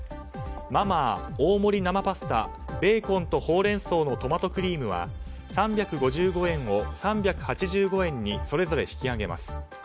「マ・マー大盛り生パスタベーコンとほうれん草のトマトクリーム」は３５５円を３８５円にそれぞれ引き上げます。